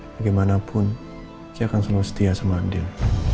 bagaimanapun saya akan selalu setia sama adil